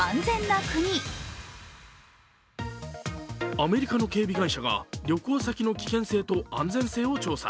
アメリカの警備会社が旅行先の危険性と安全性を調査。